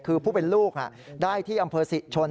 คือผู้เป็นลูกได้ที่อำเภอศรีชน